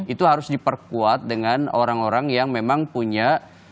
itu harus diperkuat dengan orang orang yang memang punya